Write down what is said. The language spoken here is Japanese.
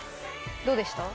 どうでした？